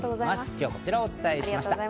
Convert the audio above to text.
今日はこちらをお伝えしました。